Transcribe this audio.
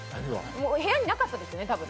部屋になかったんですね、多分。